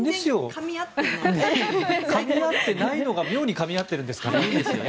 かみ合ってないのが妙にかみ合ってるんですかね。